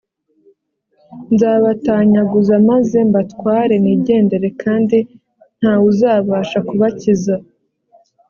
nzabatanyaguza maze mbatware nigendere kandi nta wuzabasha kubakiza